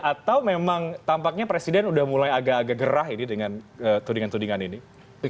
atau memang tampaknya presiden sudah mulai agak agak gerah ini dengan tudingan tudingan ini